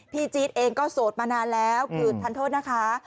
จี๊ดเองก็โสดมานานแล้วคือทันโทษนะคะ